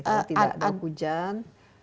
kalau tidak ada hujan